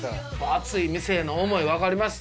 熱い店への思い分かります